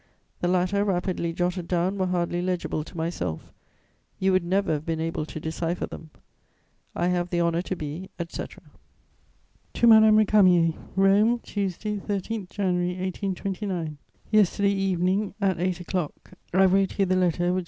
The latter, rapidly jotted down, were hardly legible to myself. You would never have been able to decipher them. "I have the honour to be, etc." TO MADAME RÉCAMIER "ROME, Tuesday, 13 January 1829. "Yesterday evening, at eight o'clock, I wrote you the letter which M.